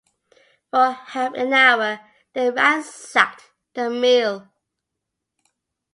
For half an hour they ransacked the mill.